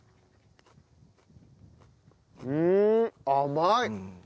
うん甘い。